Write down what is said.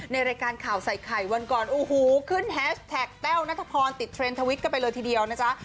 ในรายการข่าวใส่ไข่วันก่อนโอ้โหขึ้นแฮชแท็กแต้วนัทพรติดเทรนดทวิตกันไปเลยทีเดียวนะจ๊ะ